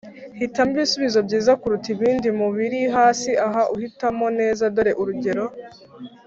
Hitamo ibisubizo byiza kuruta ibindi mu biri hasi aha uhitamo neza Dore urugero